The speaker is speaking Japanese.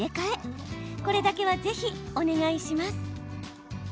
これだけは是非お願いします。